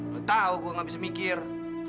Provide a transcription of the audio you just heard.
lu tau gua gak bisa mikir